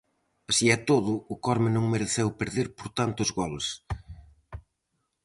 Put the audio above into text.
Así e todo, o Corme non mereceu perder por tantos goles.